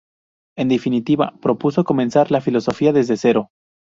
En definitiva, propuso comenzar la filosofía desde cero.